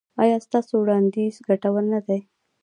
ایا ستاسو وړاندیز ګټور نه دی؟